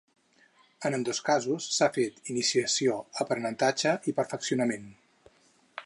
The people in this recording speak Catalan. En ambdós casos s’ha fet iniciació, aprenentatge i perfeccionament.